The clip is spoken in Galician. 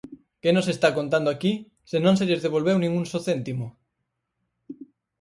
¿Que nos está contando aquí, se non se lles devolveu nin un só céntimo?